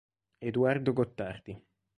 Eduardo Gottardi